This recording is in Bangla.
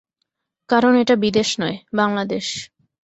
কারণ এটা বিদেশ নয়, বাংলাদেশ।